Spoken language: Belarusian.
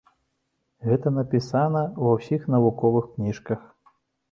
Гэта напісана ва ўсіх навуковых кніжках.